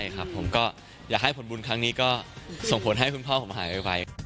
ใช่ครับผมก็อยากให้ผลบุญครั้งนี้ก็ส่งผลให้คุณพ่อผมหายไว